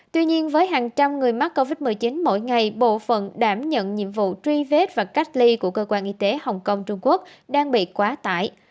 tuy nhiên với hàng trăm người mắc covid một mươi chín mỗi ngày bộ phận đảm nhận nhiệm vụ truy vết và cách ly của cơ quan y tế hồng kông trung quốc đang bị quá tải